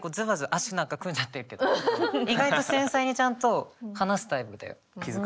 足なんか組んじゃってるけど意外と繊細にちゃんと話すタイプだよ。